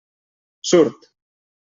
Surt!